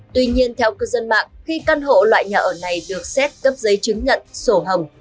tuy nhiên theo cư dân mạng khi căn hộ loại nhà ở này được xét cấp giấy chứng nhận sổ hồng